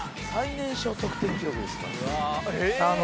「最年少得点記録ですから」